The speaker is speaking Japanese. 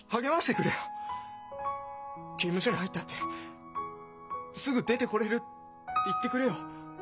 「刑務所に入ったってすぐ出てこれる」って言ってくれよ。